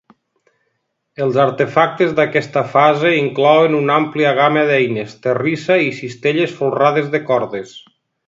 Els artefactes d'aquesta fase inclouen una àmplia gamma d'eines, terrissa i cistelles folrades de cordes.